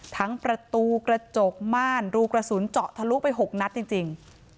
ทั้งประตูกระจกม่านรูกระสุนเจาะทะลุไป๖นัดจริง